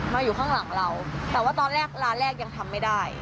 มาอยู่ข้างหลังเราแต่ว่าตอนแรกร้านแรกยังทำไม่ได้